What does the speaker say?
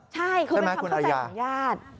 ใช่คือเป็นความเข้าใจของญาติ